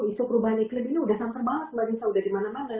isu perubahan iklim ini sudah sampai banget mbak nisa udah dimana mana